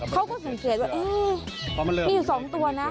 เขาก็สังเกตว่ามีอยู่๒ตัวนะ